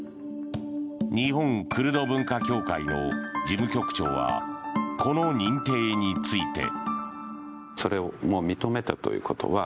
日本クルド文化協会の事務局長はこの認定について。